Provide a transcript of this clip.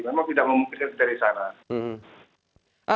memang tidak memungkinkan kita di sana